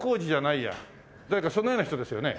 誰かそんなような人ですよね？